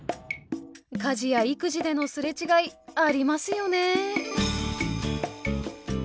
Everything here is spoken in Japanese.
家事や育児での擦れ違いありますよね。